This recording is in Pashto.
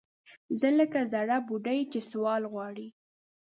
زه لکه زَړه بوډۍ چې سوال غواړي